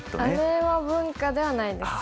あれは文化ではないです。